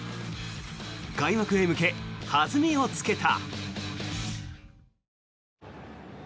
開幕へ向け、弾みをつけた。